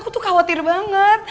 aku tuh khawatir banget